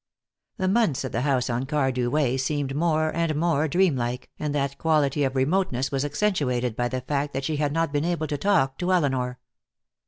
The months at the house on Cardew Way seemed more and more dream like, and that quality of remoteness was accentuated by the fact that she had not been able to talk to Elinor.